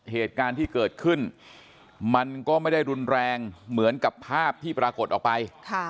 เหตุการณ์ที่เกิดขึ้นมันก็ไม่ได้รุนแรงเหมือนกับภาพที่ปรากฏออกไป